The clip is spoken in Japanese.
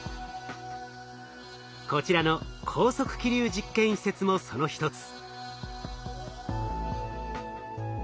こちらの高速気流実験施設もその一つ。